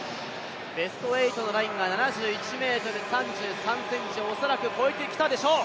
ベスト８のラインが７１ｍ３３ｃｍ、恐らく越えてきたでしょう。